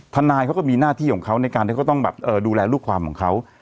ทนายเขาก็มีหน้าที่ของเขาในการที่เขาต้องแบบดูแลลูกความของเขา